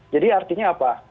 jadi artinya apa